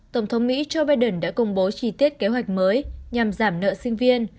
tổng thống mỹ joe biden đã công bố chi tiết kế hoạch mới nhằm giảm nợ sinh viên